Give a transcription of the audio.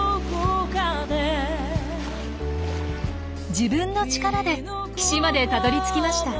自分の力で岸までたどりつきました。